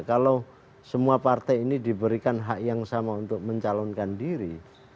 kalau semua partai ini diberikan hak yang sama untuk mencalonkan diri